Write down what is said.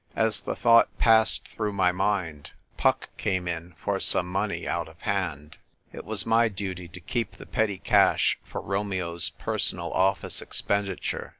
As the thought passed through my mind, Puck came in for some money out of hand. It was my duty to keep the petty cash for Romeo's personal office expenditure.